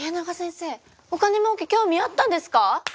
お金もうけ興味あったんですか？